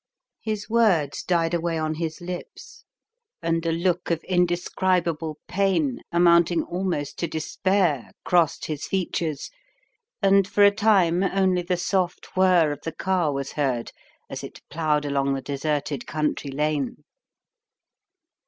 His words died away on his lips, and a look of inde scribable pain, amounting almost to despair, crossed his features, and for a time only the soft whirr of the car was heard as it plowed along the deserted country lane.